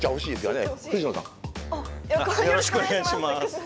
よろしくお願いします。